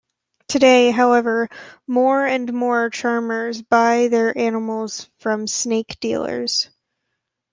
Today, however, more and more charmers buy their animals from snake dealers.